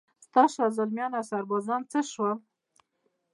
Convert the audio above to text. ستا شازلمیان اوسربازان څه شول؟